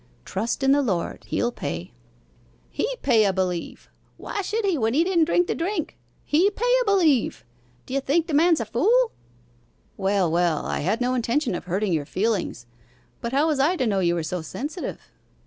'Trust in the Lord he'll pay.' 'He pay a b'lieve! why should he when he didn't drink the drink? He pay a b'lieve! D'ye think the man's a fool?' 'Well, well, I had no intention of hurting your feelings but how was I to know you were so sensitive?